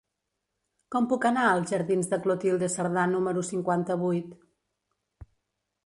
Com puc anar als jardins de Clotilde Cerdà número cinquanta-vuit?